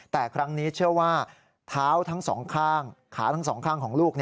แต่ครั้งนี้เชื่อว่าขาทั้งสองข้างของลูก